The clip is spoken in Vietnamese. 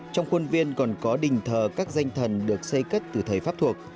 trong khuôn viên còn có đình thờ các danh thần được xây cất từ thầy pháp thuộc